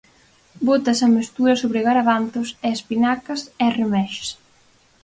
Bótase a mestura sobre garavanzos e espinacas e reméxese.